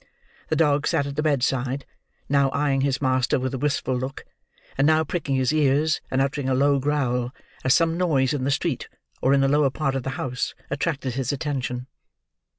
The dog sat at the bedside: now eyeing his master with a wistful look, and now pricking his ears, and uttering a low growl as some noise in the street, or in the lower part of the house, attracted his attention.